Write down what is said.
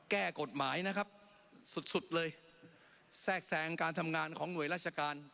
แก้กฎหมายนะครับสุดสุดเลยแทรกแทรงการทำงานของหน่วยราชการ